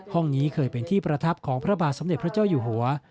นี้เคยเป็นที่ประทับของพระบาทสมเด็จพระเจ้าอยู่หัว